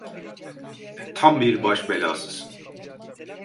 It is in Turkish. Tam bir baş belasısın.